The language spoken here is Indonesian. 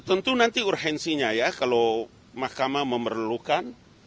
tentu nanti urgensinya ya kalau mahkamah memerlukan